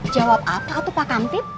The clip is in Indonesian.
jawab apa pak kantip